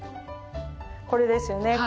これですよね。